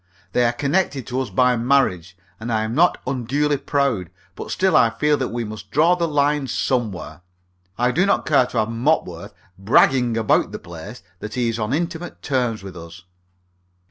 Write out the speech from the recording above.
They are connected to us by marriage, and I am not unduly proud, but still I feel that we must draw the line somewhere. I do not care to have Mopworth bragging about the place that he is on intimate terms with us."